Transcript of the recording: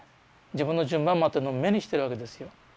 自分の順番待ってるのを目にしてるわけですよ。